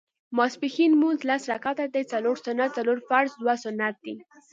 ماسپښېن لمونځ لس رکعته دی څلور سنت څلور فرض دوه سنت دي